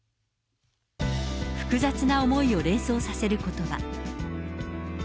複雑な思いを連想させることば。